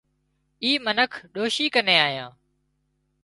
اي منک ڏوشي ڪنين آيان